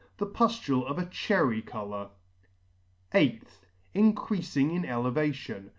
The puflule of a cherry colour. 8th. Increafing in elevation.